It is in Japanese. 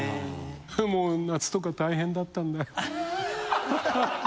もう夏とか大変だったんだよ。